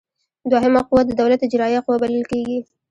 دوهمه قوه د دولت اجراییه قوه بلل کیږي.